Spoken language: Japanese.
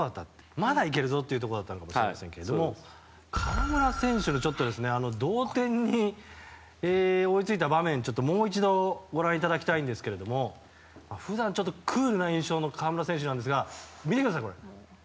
まだいけるぞというところだったのかもしれないですけれども河村選手の同点に追いついた場面もう一度ご覧いただきたいのですけれども普段、クールな印象の河村選手なんですが見てください、これ。